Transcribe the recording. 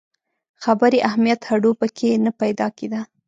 خبري اهمیت هډو په کې نه پیدا کېده.